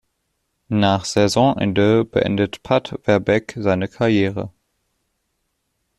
Nach Saisonende beendete Pat Verbeek seine Karriere.